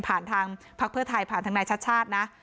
ทางพักเพื่อไทยผ่านทางนายชัดชาตินะ